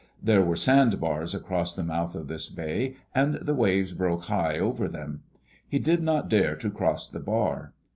There were sand bars across the mouth of this bay, and the waves broke high over them. He did not dare to cross the bar.